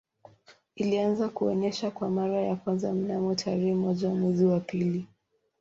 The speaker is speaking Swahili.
Ilianza kuonesha kwa mara ya kwanza mnamo tarehe moja mwezi wa pili